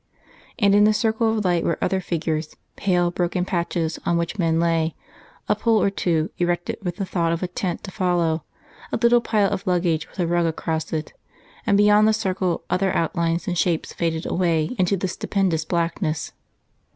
And in the circle of light were other figures, pale, broken patches on which men lay; a pole or two, erected with the thought of a tent to follow; a little pile of luggage with a rug across it; and beyond the circle other outlines and shapes faded away into the stupendous blackness.